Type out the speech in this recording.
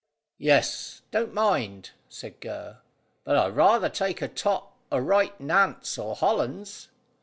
"Yes; don't mind," said Gurr, "but I'd rather take a tot o' right Nantes or Hollands."